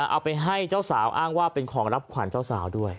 เอาไปให้เจ้าสาวอ้างว่าเป็นของรับขวัญเจ้าสาวด้วย